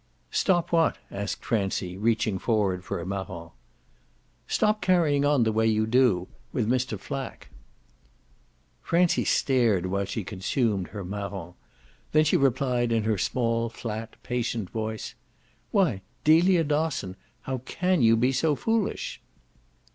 "Stop what?" asked Francie, reaching forward for a marron. "Stop carrying on the way you do with Mr. Flack." Francie stared while she consumed her marron; then she replied in her small flat patient voice: "Why, Delia Dosson, how can you be so foolish?"